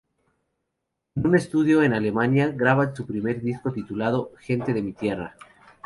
En un estudio en Alemania graba su primer disco, titulado 'Gente de mi tierra'.